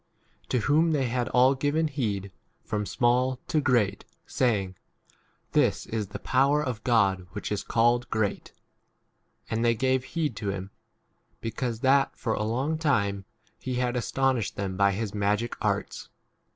10 To whom they had all given heed, from small to great, saying, This is the power of God which is called * 11 great. And they gave heed to him, because that for a long time he had astonished them by his magic arts.